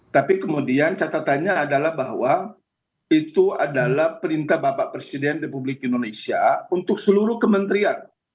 tapi kemudian catatannya adalah bahwa itu adalah perintah bapak presiden republik indonesia untuk seluruh kementerian